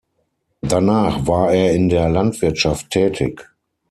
Danach war er in der Landwirtschaft tätig.